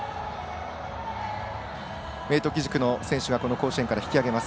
明徳義塾の選手が甲子園から引き上げます。